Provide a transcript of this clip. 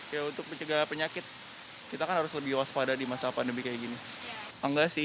ya untuk mencegah penyakit kita kan harus lebih waspada di masa pandemi kayak gini enggak sih